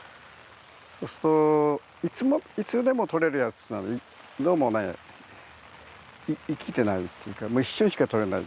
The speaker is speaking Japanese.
そうするといつでも撮れるやつはねどうもね生きてないっていうかもう一瞬しか撮れない。